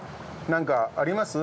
なんかあります？